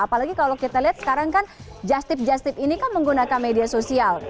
apalagi kalau kita lihat sekarang kan just tip just tip ini kan menggunakan media sosial